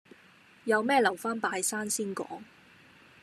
有咩留返拜山先講